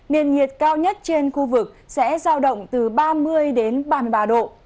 nền nhiệt cao nhất trên khu vực sẽ giao động từ ba mươi đến ba mươi ba độ